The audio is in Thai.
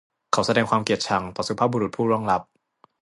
เขาแสดงความเกลียดชังต่อสุภาพบุรุษผู้ล่วงลับ